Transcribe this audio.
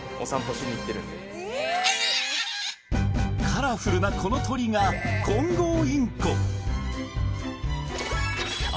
カラフルなこの鳥がコンゴウ